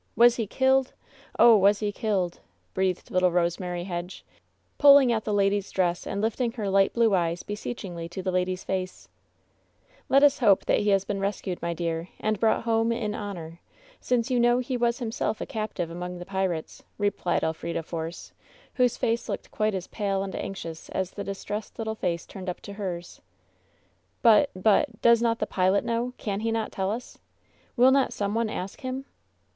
Was he killed ? Oh, was he killed ?" breathed little Rose mary Hedge, pulling at the lady's dress and lifting her "Let us hope that he has been rescued, my dear, and light blue eyes beseechingly to the lady's face, brought home in honor, since you know he was himself a captive among the pirates," replied Elfrida Force, whose face looked quite as pale and anxious as the dis tressed little face turned up to hers. "But — but — does not the pilot know? Can he not tell us? Will not some one ask him?''